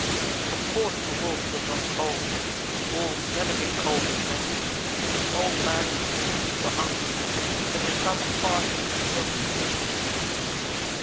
Of course the Wolf was not cold; wolves never get cold as men do. Both Old man and the Wolf were hungry for they had travelled far and had killed no meat.